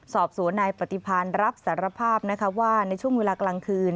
สอบสวนนายปฏิพันธ์รับสารภาพนะคะว่าในช่วงเวลากลางคืน